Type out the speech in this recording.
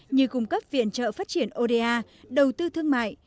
như cung cấp viện trợ phát triển oda đầu tư thương mại